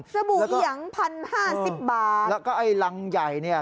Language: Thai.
บู่เอียงพันห้าสิบบาทแล้วก็ไอ้รังใหญ่เนี่ย